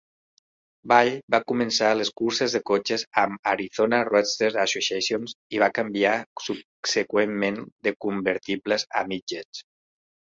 Ball va començar les curses de cotxes amb "Arizona Roadster Association", i va canviar subseqüentment de convertibles a "midgets".